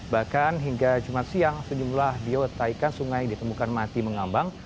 bahkan hingga jumat siang sejumlah biota ikan sungai ditemukan mati mengambang